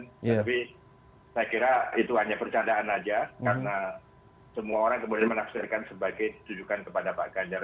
tapi saya kira itu hanya percandaan saja karena semua orang kemudian menafsirkan sebagai ditujukan kepada pak ganjar